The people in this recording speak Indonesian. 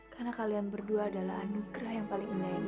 karena kalian berdua adalah anugerah yang paling indah yang ibu miliki